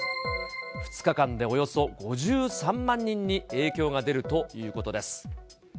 ２日間でおよそ５３万人に影響が出るということです。